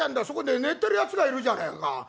そこで寝てるやつがいるじゃねえか。